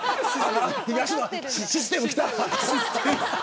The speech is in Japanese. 東野、システム来たって。